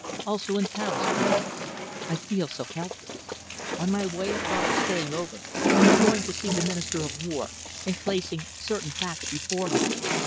"Also in Paris. Francis, I feel so helpless. On my way I thought of staying over, of going to see the Minister of War and placing certain facts before him.